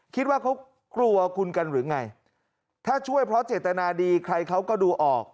คิดว่าเขากลัวคุณกันหรือไงถ้าช่วยเพราะเจตนาดีใครเขาก็ดูออก